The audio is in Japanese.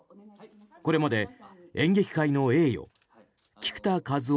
これまで演劇界の栄誉菊田一夫